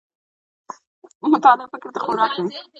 مطالعه فکر ته خوراک دی